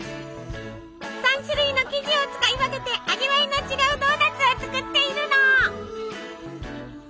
３種類の生地を使い分けて味わいの違うドーナツを作っているの。